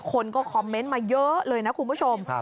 คนก็คอมเมนต์มาเยอะเลยนะคุณผู้ชม